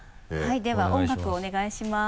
では音楽お願いします。